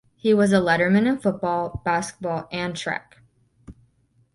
He was a letterman in football, basketball, and track.